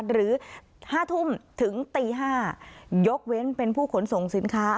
หรือ๕ทุ่มถึงตี๕ยกเว้นเป็นผู้ขนส่งสินค้า